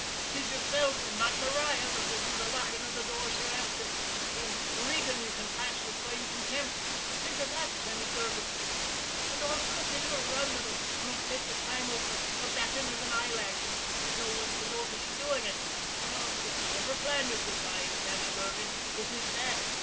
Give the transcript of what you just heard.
'Tis yourself, and not Maria, that'll do the locking of the doors hereafter, and 'tis Regan you can pass with fine contempt. Think of that, Sammy Durgan! And all for a bit of a run that'll not take the time of a batting of an eyelash, and with no one to notice you doing it. 'Tis a clever plan you've devised, Sammy Durgan it is that.